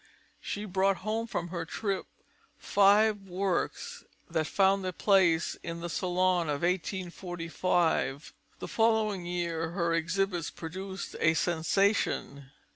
She brought home from her trip five works that found a place in the Salon of 1845. The following year her exhibits produced a sensation.